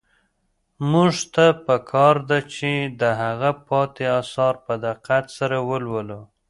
موږ ته په کار ده چې د هغه پاتې اثار په دقت سره ولولو.